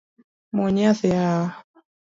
Muony yath yawa.